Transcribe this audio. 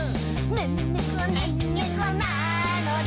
「ねんねこねんねこなのだ」